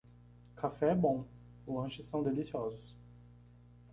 Café é bom, lanches são deliciosos.